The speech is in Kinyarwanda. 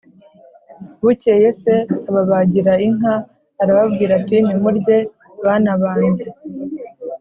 bukeye se ababagira inka, arababwira ati nimurye bana banjye